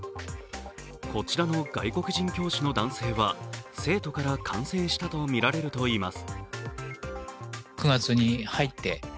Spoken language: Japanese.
こちらの外国人教師の男性は、生徒から感染したとみられるといいます。